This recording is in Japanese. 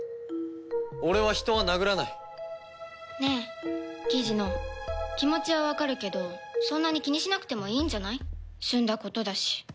俺は人は殴らない。ねえ雉野気持ちはわかるけどそんなに気にしなくてもいいんじゃない？済んだことだし。